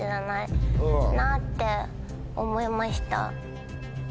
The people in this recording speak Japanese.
なって思いました。